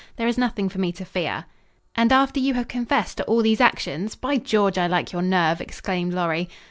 There is nothing for me to fear." "And after you have confessed to all these actions? By George, I like your nerve," exclaimed Lorry.